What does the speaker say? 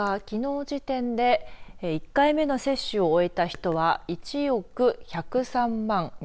きのう時点で１回目の接種を終えた人は１億１０３万２８１７